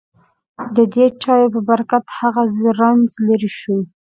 ددې چایو په برکت هغه سخت رنځ لېرې شو.